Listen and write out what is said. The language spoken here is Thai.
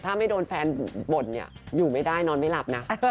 ถ้าไม่โดนแฟนบ่นเนี่ยอยู่ไม่ได้นอนไม่หลับนะ